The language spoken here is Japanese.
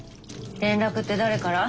連絡って誰から？